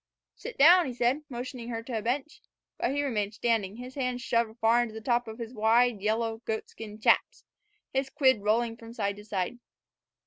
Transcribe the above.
"Sit down," he said, motioning her to a bench. But he remained standing, his hands shoved far into the top of his wide, yellow, goatskin "chaps," his quid rolling from side to side.